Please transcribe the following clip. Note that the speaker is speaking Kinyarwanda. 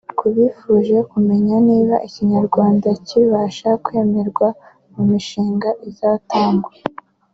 Ku bifuje kumenya niba Ikinyarwanda kibasha kwemerwa mu mishinga izatangwa